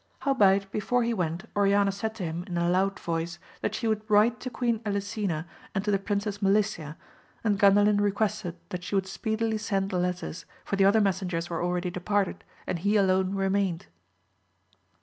Howbeit, before he went, Onana said to him in a loud voice, that she would write to Queen Elisena and to the Princess Melicia^ and Gandalin requested that she would speedily send the letters, for the other messengers were already de parted, and he alone remained.